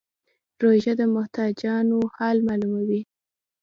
روژه د محتاجانو حال معلوموي.